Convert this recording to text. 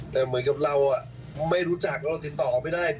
แต่เหมือนกับเราไม่รู้จักเราติดต่อไม่ได้